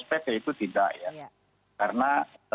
pt itu tidak karena